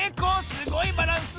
すごいバランス！